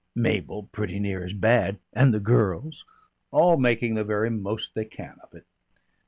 Mabel pretty near as bad. And the girls. All making the very most they can of it.